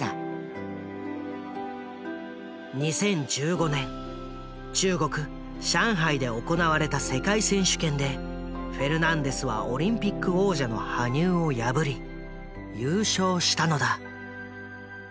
だから２０１５年中国・上海で行われた世界選手権でフェルナンデスはオリンピック王者の羽生を破り優勝したのだ。